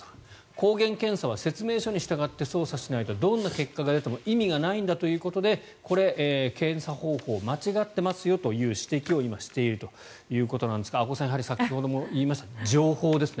抗原検査は説明書に従って操作しないとどんな結果が出ても意味がないんだということでこれ、検査方法が間違っていますよという指摘を今、しているということなんですが阿古さん、先ほども言いましたが情報ですね。